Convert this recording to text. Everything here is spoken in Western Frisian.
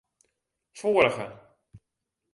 Foarige.